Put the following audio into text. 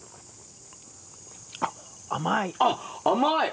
あっ甘い！